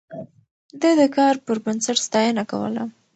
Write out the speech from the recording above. ده د کار پر بنسټ ستاينه کوله.